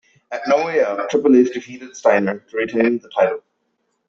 At No Way Out, Triple H defeated Steiner to retain the title.